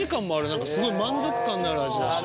何かすごい満足感のある味だし。